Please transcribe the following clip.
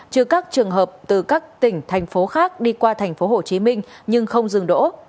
chứ các trường hợp từ các tỉnh thành phố khác đi qua thành phố hồ chí minh nhưng không dừng đổ